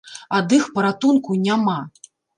Ад іх паратунку няма.